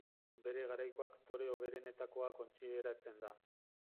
Bere garaiko aktore hoberenetakoa kontsideratzen da.